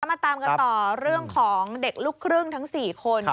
มาตามกันต่อเรื่องของเด็กลูกครึ่งทั้ง๔คน